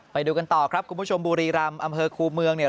ไปดูกันต่อครับคุณผู้ชมบุรีรำอำเภอคูเมืองเนี่ย